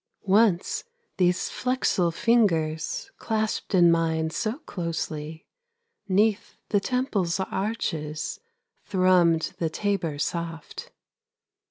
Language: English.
Once these flexile fingers Clasped in mine so closely, Neath the temple's arches Thrummed the tabor soft.